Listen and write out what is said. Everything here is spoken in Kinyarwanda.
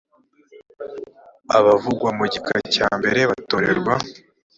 abavugwa mu gika cya mbere batorerwa